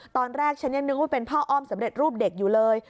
ตอนแรกฉันยังนึกว่าเป็นพ่ออ้อมสำเร็จรูปเด็กอยู่เลย